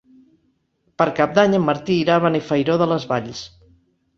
Per Cap d'Any en Martí irà a Benifairó de les Valls.